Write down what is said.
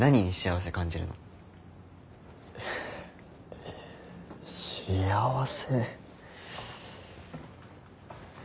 え幸せ？